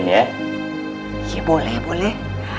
iya boleh boleh